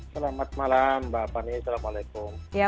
selamat malam mbak fani assalamualaikum